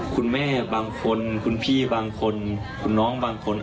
คุณแม่บางคนคุณพี่บางคนคุณน้องบางคน